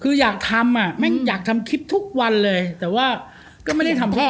คืออยากทำอ่ะแม่งอยากทำคลิปทุกวันเลยแต่ว่าก็ไม่ได้ทำพ่อ